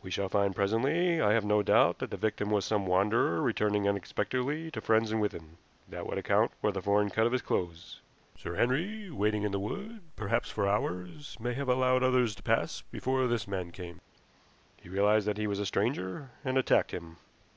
We shall find presently, I have no doubt, that the victim was some wanderer returning unexpectedly to friends in Withan. That would account for the foreign cut of his clothes. Sir Henry, waiting in the wood, perhaps for hours, may have allowed others to pass before this man came. He realized that he was a stranger, and attacked him."